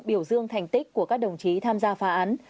biểu dương thành tích của các đồng chí tham gia phá án